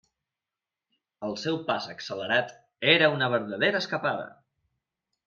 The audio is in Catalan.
El seu pas accelerat era una verdadera escapada.